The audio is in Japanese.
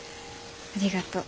ありがとう。